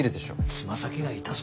つま先が痛そうだな。